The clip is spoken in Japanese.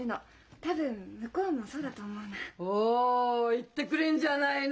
言ってくれるじゃないの。